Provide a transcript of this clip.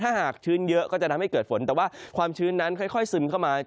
ถ้าหากชื้นเยอะก็จะทำให้เกิดฝนแต่ว่าความชื้นนั้นค่อยซึมเข้ามา